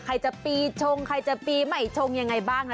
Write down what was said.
ใครจะปีชงใครจะปีใหม่ชงยังไงบ้างนะ